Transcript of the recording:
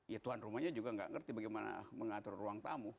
ya tuan rumahnya juga nggak ngerti bagaimana mengatur ruang tamu